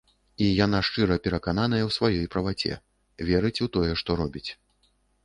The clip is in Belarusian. І яна шчыра перакананая ў сваёй праваце, верыць у тое, што робіць.